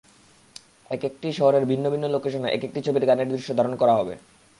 একেকটি শহরের ভিন্ন ভিন্ন লোকেশনে একেকটি ছবির গানের দৃশ্য ধারণ করা হবে।